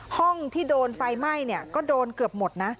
ห้องที่โดนไฟไหม้ก็โดนเกือบหมดนะ